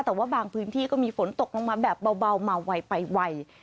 แต่ว่าบางพื้นที่ก็มีฝนตกลงมาแบบเบามาไวไปไว